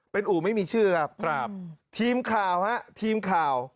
เป็นอู่ไม่มีชื่อครับครับทีมข่าวฮะทีมข่าว